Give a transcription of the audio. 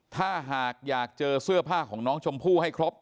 ถ้าหากอยากเจอเสื้อผ้าของน้องชมพู่ให้ครบ